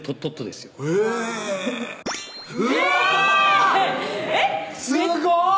すごい！